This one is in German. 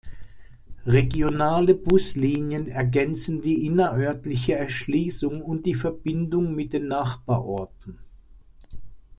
Regionale Buslinien ergänzen die innerörtliche Erschließung und die Verbindung mit den Nachbarorten.